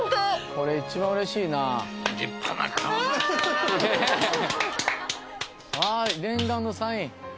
これ一番うれしいなわ念願のサイン